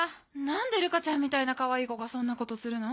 何でルカちゃんみたいなかわいい子がそんなことするの？